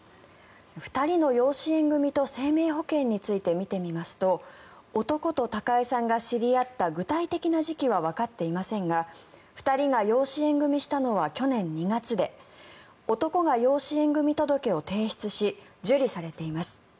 ２人の養子縁組と生命保険について見てみますと男と高井さんが知り合った具体的な時期はわかっていませんが２人が養子縁組したのは去年２月で男が養子縁組届を提出し受理されています。